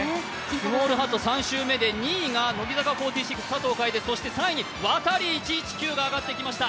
スモールハット３周目で２位が佐藤楓、そして３位にワタリ１１９が上がってきました。